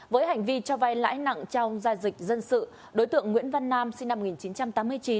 với hành vi cho vay lãi nặng trong giao dịch dân sự đối tượng nguyễn văn nam sinh năm một nghìn chín trăm tám mươi chín